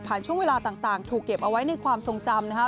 ช่วงเวลาต่างถูกเก็บเอาไว้ในความทรงจำนะคะ